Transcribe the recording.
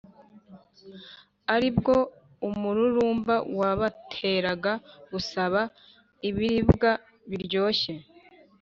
ari bwo umururumba wabateraga gusaba ibiribwa biryoshye;